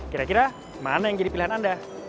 kira kira mana yang jadi pilihan anda